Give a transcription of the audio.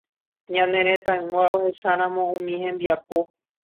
Ñane retãygua ohecharamo umi hembiapo.